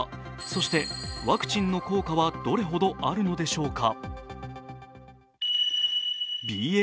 そして、ワクチンの効果はどれほどあるのでしょうか？